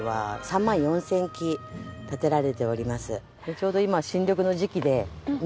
ちょうど今。